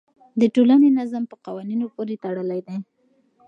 د ټولنې نظم په قوانینو پورې تړلی دی.